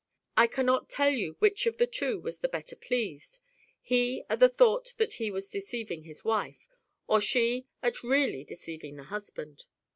I cannot tell you which of the two was the better pleased, he at the thought that he was deceiving his wife, or she at really deceiving her husband.